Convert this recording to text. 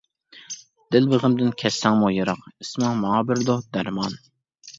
دىل بېغىمدىن كەتسەڭمۇ يىراق، ئىسمىڭ ماڭا بېرىدۇ دەرمان.